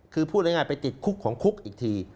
คือพูดง่ายไปติดคุกของคุกอีกที